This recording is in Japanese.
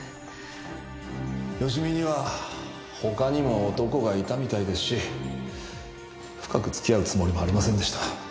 芳美には他にも男がいたみたいですし深く付き合うつもりもありませんでした。